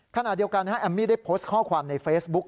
ขณะเดียวกันแอมมี่ได้โพสต์ข้อความในเฟซบุ๊ค